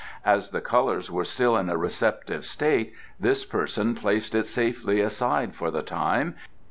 "As the colours were still in a receptive state this person placed it safely aside for the time.